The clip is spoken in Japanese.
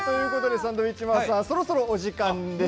サンドウィッチマンさんそろそろお時間です。